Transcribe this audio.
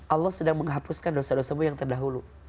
allah sedang menghapuskan dosa dosamu yang terdahulu